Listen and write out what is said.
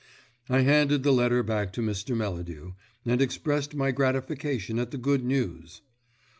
I handed the letter back to Mr. Melladew, and expressed my gratification at the good news.